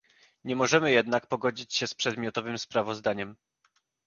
Nie możemy jednak pogodzić się z przedmiotowym sprawozdaniem